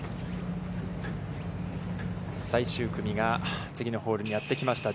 最終組が次のホールにやってきました。